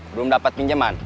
belum dapet pinjeman